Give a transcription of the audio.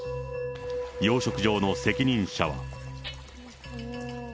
養殖場の責任者は。